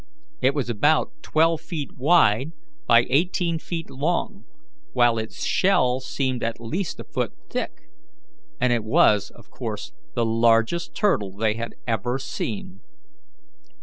It was about twelve feet wide by eighteen feet long, while its shell seemed at least a foot thick, and it was of course the largest turtle they had ever seen.